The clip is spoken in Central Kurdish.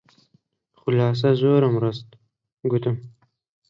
خولاسە زۆرم ڕست، گوتم: